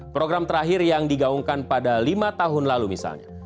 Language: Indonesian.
program terakhir yang digaungkan pada lima tahun lalu misalnya